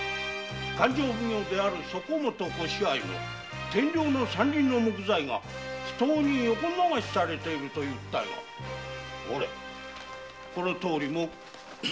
勘定奉行であるそこもとご支配の天領の山林の木材が不当に横流しされているという訴えがこれこのとおり目安箱に。